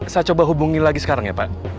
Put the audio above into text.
saya coba hubungi lagi sekarang ya pak